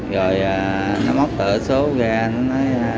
rồi nó móc tựa số ra nó nói